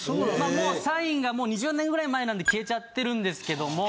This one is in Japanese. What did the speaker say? もうサインが２０年ぐらい前なんで消えちゃってるんですけども。